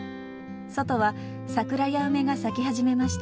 外は桜や梅が咲き始めました。